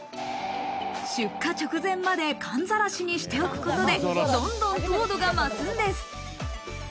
出荷直前まで寒ざらしにしておくことで、どんどん糖度が増すんです。